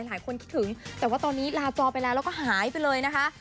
หลายคนคิดถึงแต่ว่าตอนนี้ลาจอไปแล้วแล้วก็หายไปเลยนะคะ